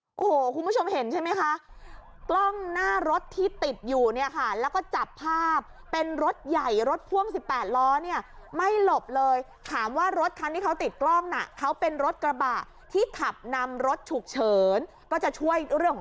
โอ้โหคุณผู้ชมเห็นใช่ไหมคะกล้องหน้ารถที่ติดอยู่เนี่ยค่ะแล้วก็จับภาพเป็นรถใหญ่รถพ่วง๑๘ล้อเนี่ยไม่หลบเลยถามว่ารถคันที่เขาติดกล้องน่ะเขาเป็นรถกระบะที่ขับนำรถฉุกเฉินก็จะช่วยเรื่องของ